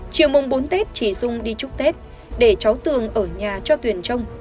chiều mùng bốn tết chị dung đi chúc tết để cháu tường ở nhà cho tuyền trông